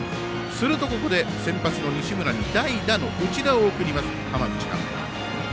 すると、ここで先発の西村に代打の内田を送ります、浜口監督。